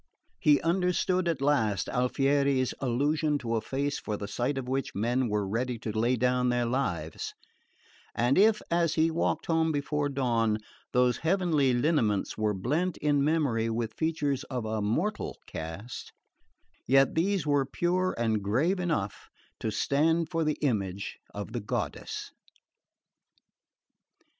He understood at last Alfieri's allusion to a face for the sight of which men were ready to lay down their lives; and if, as he walked home before dawn, those heavenly lineaments were blent in memory with features of a mortal cast, yet these were pure and grave enough to stand for the image of the goddess.